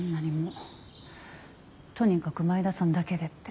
とにかく前田さんだけでって。